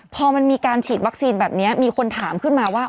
พอมันมีการฉีดวัคซีนแบบนี้มีคนถามขึ้นมาว่า